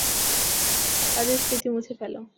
তাদের স্মৃতি মুছে ফেলো।